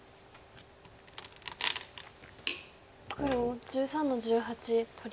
黒１３の十八取り。